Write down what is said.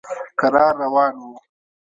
کرار روان و.